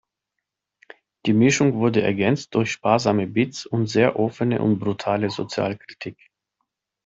Die Mischung wurde ergänzt durch sparsame Beats und sehr offene und brutale Sozialkritik.